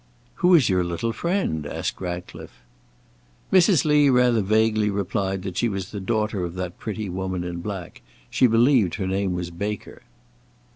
"Who is your little friend?" asked Ratcliffe. Mrs. Lee rather vaguely replied that she was the daughter of that pretty woman in black; she believed her name was Baker.